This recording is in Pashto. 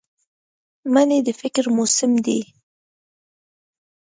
مني د فکر موسم دی